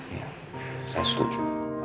iya saya setuju